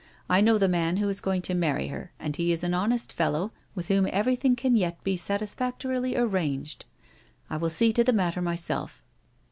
I know the man who is going to marry her and he is an honest fellow with whom everything can yet be satisfactorily arranged. I will see to the matter myself."